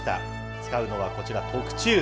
使うのはこちら、特注。